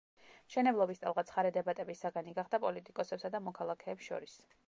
მშენებლობის ტალღა ცხარე დებატების საგანი გახდა პოლიტიკოსებსა და მოქალაქეებს შორის.